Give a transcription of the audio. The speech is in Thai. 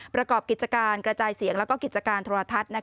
ประกอบกิจการกระจายเสียงและกิจการโทรทัศน์